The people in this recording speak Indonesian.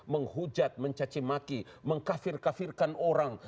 menghujat mencacimaki mengkafir kafirkan orang